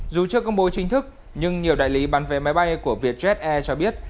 dù chưa công bố chính thức nhưng nhiều đại lý bán vé máy bay của vietjet air cho biết